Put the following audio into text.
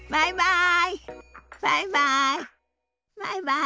バイバイ。